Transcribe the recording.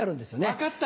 分かった！